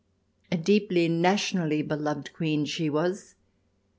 A deeply, nationally beloved Queen she was.